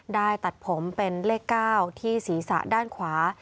ตัดผมเป็นเลข๙ที่ศีรษะด้านขวา